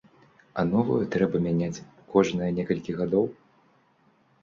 А новую трэба мяняць кожныя некалькі гадоў?